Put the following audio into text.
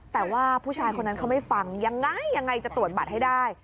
แต่ว่าผู้ชายคนนั้นเขาไม่ฟังยังไงยังไงจะตรวจบัตรให้ได้